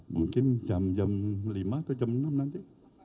mungkin jam jam lima atau jam enam nanti